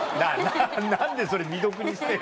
何でそれ未読にしてんだ。